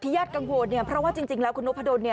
ที่ญาติกังวดเพราะว่าจริงแล้วคุณโนภาโดน